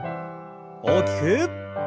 大きく。